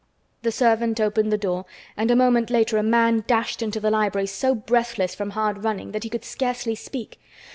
The servant opened the door, and a moment later a man dashed into the library so breathless from hard running that he could scarcely speak.